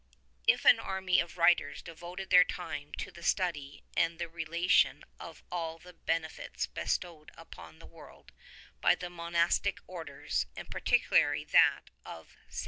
If an army of writers devoted their time to the study and the relation of all the benefits bestowed upon the world by the monastic orders, and particularly that of St..